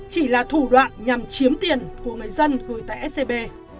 chỉ là thủ đoạn nhằm chiếm tiền của người dân gửi tại scb